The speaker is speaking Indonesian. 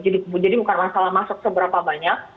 jadi bukan masalah masuk seberapa banyak